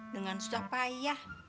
dengan susah payah